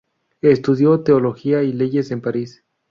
Estudió teología y leyes en París.